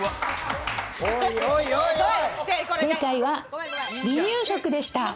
正解は離乳食でした。